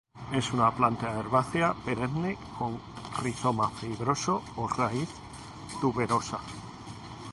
Es una planta herbácea perenne con rizoma fibroso o raíz tuberosa.